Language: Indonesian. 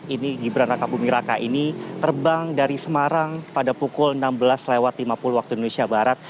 ini gibran raka buming raka ini terbang dari semarang pada pukul enam belas lima puluh waktu indonesia barat